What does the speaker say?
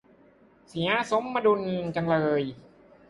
เสียสมดุล